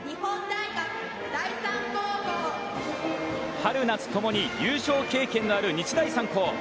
春夏ともに優勝経験のある日大三高。